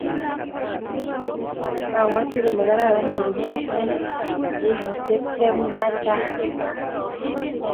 Abwati kole kararn iru ingweny enh eikisiek che machang